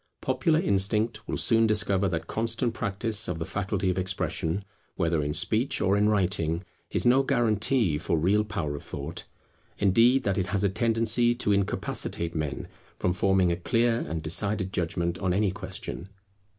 Popular instinct will soon discover that constant practice of the faculty of expression, whether in speech or in writing, is no guarantee for real power of thought; indeed that it has a tendency to incapacitate men from forming a clear and decided judgment on any question.